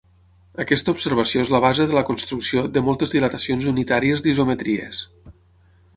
Aquesta observació és la base de la construcció de moltes dilatacions unitàries d'isometries.